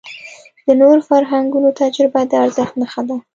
د نورو فرهنګونو تجربه د ارزښت نښه ده.